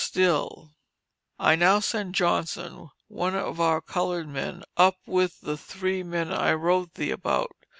STILL: I now send Johnson, one of our colored men, up with the three men I wrote thee about.